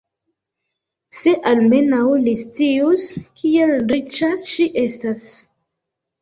Se almenaŭ li scius, kiel riĉa ŝi estas!